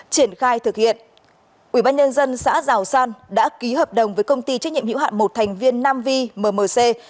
triển khai thực hiện ubnd xã giào san đã ký hợp đồng với công ty trách nhiệm hữu hạn một thành viên nam vi mmc